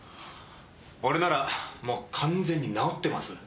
俺ならもう完全に治ってます。